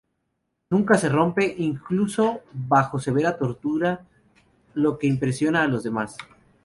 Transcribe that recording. Nunca se rompe, incluso bajo severa tortura, lo que impresiona a los demás.